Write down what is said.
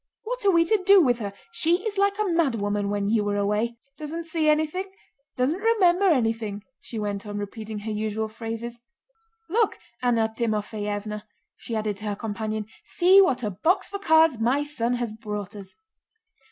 What are we to do with her? She is like a mad woman when you are away. Doesn't see anything, doesn't remember anything," she went on, repeating her usual phrases. "Look, Anna Timoféevna," she added to her companion, "see what a box for cards my son has brought us!"